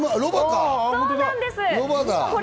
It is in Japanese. そうなんです。